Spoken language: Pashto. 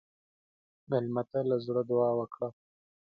مېلمه ته له زړه دعا وکړه.